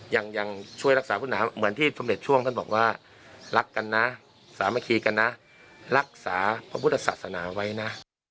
ยังช่วยรักษาพุทธหาเหมือนที่สมเด็จช่วงท่านบอกว่ารักกันนะสามัคคีกันนะรักษาพระพุทธศาสนาไว้นะ